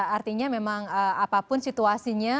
artinya memang apapun situasinya